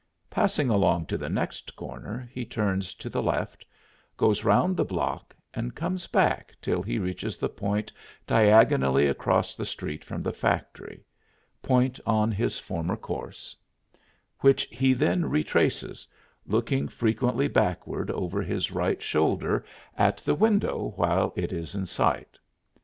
Passing along to the next corner, he turns to the left, goes round the block, and comes back till he reaches the point diagonally across the street from the factory point on his former course, which he then retraces, looking frequently backward over his right shoulder at the window while it is in sight.